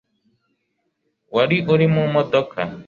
wari uri mu modoka